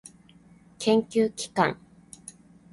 研究機関